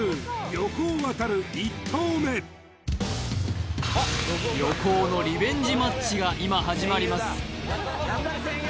横尾渉１投目横尾のリベンジマッチが今始まります